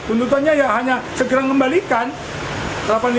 untuk tanya ya hanya segera mengembalikan delapan ratus lima puluh tujuh juta ini